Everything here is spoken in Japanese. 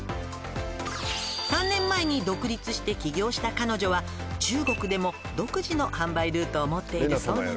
「３年前に独立して起業した彼女は中国でも独自の販売ルートを持っているそうなの」